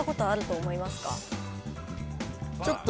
ちょっと。